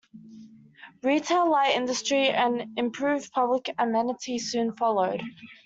Retail, light industry and improved public amenity soon followed.